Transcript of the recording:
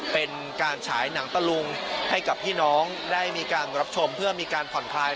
เป็นการฉายหนังตะลุงให้กับพี่น้องได้มีการรับชมเพื่อมีการผ่อนคลาย